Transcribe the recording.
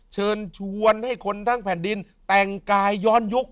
เชิญชวนให้คนทั้งแผ่นดินแต่งกายย้อนยุค